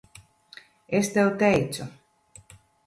Es tev teicu.